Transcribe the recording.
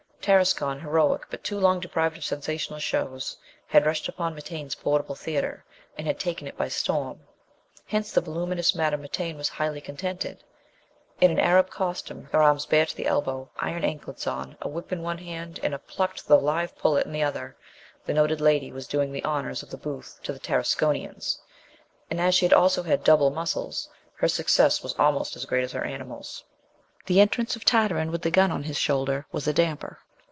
Tarascon, heroic but too long deprived of sensational shows, had rushed upon Mitaine's portable theatre, and had taken it by storm. Hence the voluminous Madame Mitaine was highly contented. In an Arab costume, her arms bare to the elbow, iron anklets on, a whip in one hand and a plucked though live pullet in the other, the noted lady was doing the honours of the booth to the Tarasconians; and, as she also had "double muscles," her success was almost as great as her animals. The entrance of Tartarin with the gun on his shoulder was a damper.